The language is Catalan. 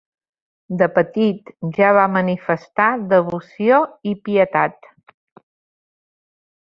De petit ja va manifestar devoció i pietat.